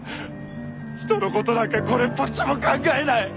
人の事なんかこれっぽっちも考えない。